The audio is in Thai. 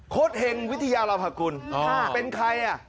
โฆษ์แห่งวิทยาคุณเป็นใครน่ะ